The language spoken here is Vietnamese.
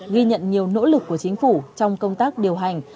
ghi nhận nhiều nỗ lực của chính phủ trong công tác điều hành